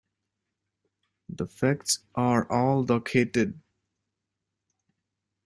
The facts are all docketed.